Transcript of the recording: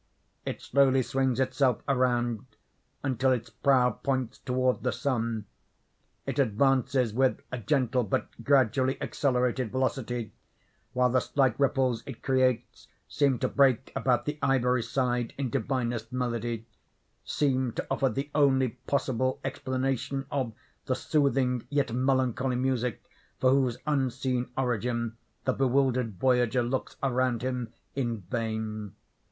It slowly swings itself around until its prow points toward the sun. It advances with a gentle but gradually accelerated velocity, while the slight ripples it creates seem to break about the ivory side in divinest melody—seem to offer the only possible explanation of the soothing yet melancholy music for whose unseen origin the bewildered voyager looks around him in vain.